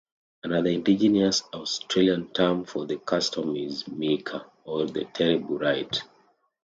Another indigenous Australian term for the custom is "mika" or the "terrible rite".